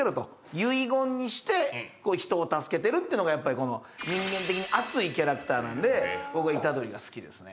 遺言にして人を助けてるっていうのがやっぱりこの人間的に熱いキャラクターなんで僕は虎杖が好きですね。